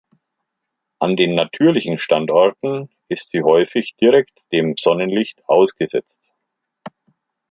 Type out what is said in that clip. An den natürlichen Standorten ist sie häufig direkt dem Sonnenlicht ausgesetzt.